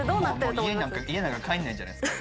家なんか帰んないんじゃないですか。